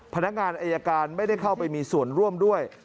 พนักงานอายการไม่ได้เข้าไปมีส่วนร่วมด้วย